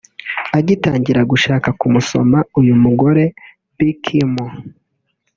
Agitangira gushaka kumusoma uyu mugore Bea Kim